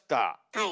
はい。